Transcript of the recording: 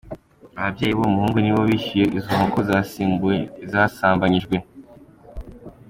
Ababyeyi b’uwo muhungu nibo bishyuye izo nkoko zasimbuye izasambanyijwe.